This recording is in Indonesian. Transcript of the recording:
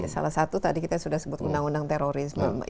salah satu tadi kita sudah sebut undang undang terorisme